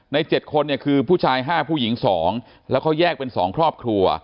๗คนเนี่ยคือผู้ชาย๕ผู้หญิง๒แล้วเขาแยกเป็น๒ครอบครัว